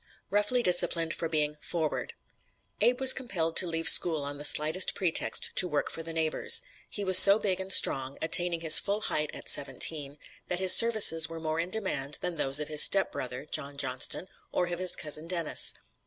ROUGHLY DISCIPLINED FOR BEING "FORWARD" Abe was compelled to leave school on the slightest pretext to work for the neighbors. He was so big and strong attaining his full height at seventeen that his services were more in demand than those of his stepbrother, John Johnston, or of Cousin Dennis.